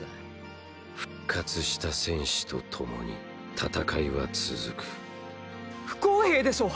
復活した戦士とともに戦いは続く不公平でしょう！